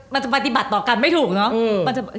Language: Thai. มันจะปฏิบัติต่อกันไม่ถูกเนาะ